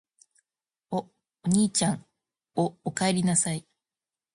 お、おにいちゃん・・・お、おかえりなさい・・・